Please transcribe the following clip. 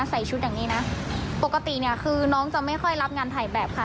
ใส่ชุดอย่างนี้นะปกติเนี่ยคือน้องจะไม่ค่อยรับงานถ่ายแบบค่ะ